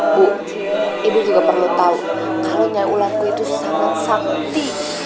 ibu ibu juga perlu tahu kalau nyai ulanku itu salman shanti